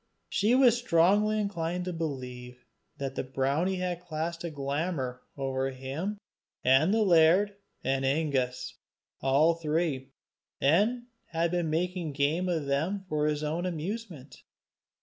She was strongly inclined to believe that the brownie had cast a glamour over him and the laird and Angus, all three, and had been making game of them for his own amusement.